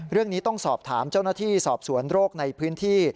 เรื่องนี้ต้องสอบถามเจ้าหน้าที่สอบสวนโรคในพื้นที่